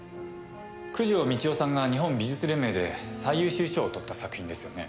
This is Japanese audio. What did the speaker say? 九条美千代さんが日本美術連盟で最優秀賞を取った作品ですよね？